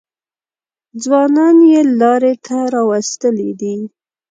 ځوانان یې لارې ته راوستلي.